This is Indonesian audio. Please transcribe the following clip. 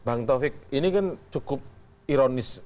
bang taufik ini kan cukup ironis